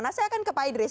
nah saya akan ke pak idris